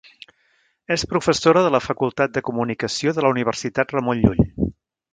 És professora de la Facultat de Comunicació de la Universitat Ramon Llull.